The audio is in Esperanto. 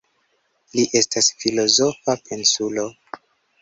Li estas filozofa pensulo.